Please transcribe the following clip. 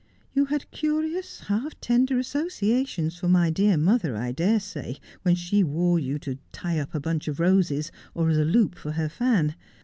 You had curious, half tender associations for my dear mother, I dare say, when she wore you to tie up a bunch of roses, or as a loop for her fan.